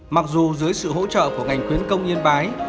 mặc dù dưới sự hỗ trợ của ngành khuyến công yên bái